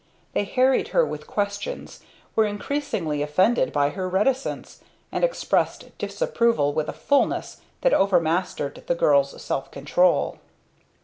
They harried her with questions, were increasingly offended by her reticence, and expressed disapproval with a fullness that overmastered the girl's self control.